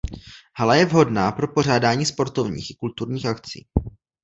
Hala je vhodná pro pořádání sportovních i kulturních akcí.